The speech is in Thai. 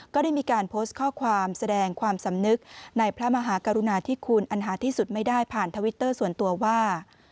ก็ได้มีการโพสต์ข้อความแสดงความสำนึกในพระมหากรุณาธิคุณอันหาที่สุดไม่ได้ผ่านทวิตเตอร์ส่วนตัวว่า